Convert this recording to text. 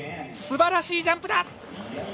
すばらしいジャンプだ！